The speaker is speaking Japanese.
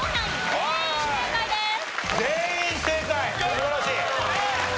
素晴らしい。